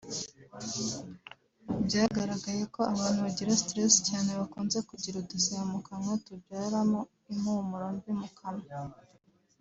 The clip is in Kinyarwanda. Byagaragaye ko abantu bagira stress cyane bakunze kugira udusebe mu kanwa tubyara impumuro mbi mu kanwa